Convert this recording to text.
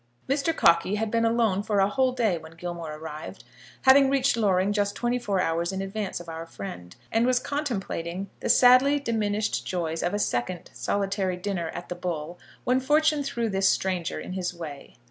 Mr. Cockey had been alone for a whole day when Gilmore arrived, having reached Loring just twenty four hours in advance of our friend, and was contemplating the sadly diminished joys of a second solitary dinner at the Bull, when fortune threw this stranger in his way.